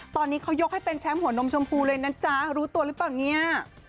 ตอนนี้เขายกให้เป็นแชมป์หัวนมชมพูเลยนะจ๊ะรู้ตัวหรือเปล่าเนี่ย